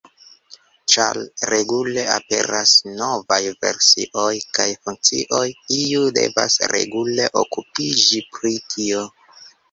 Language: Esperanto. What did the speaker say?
Ĉar regule aperas novaj versioj kaj funkcioj, iu devas regule okupiĝi pri tio.